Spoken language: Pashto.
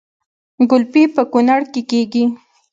ګلپي په کونړ کې کیږي